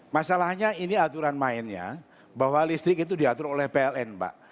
masalahnya ini aturan mainnya bahwa listrik itu diatur oleh pln mbak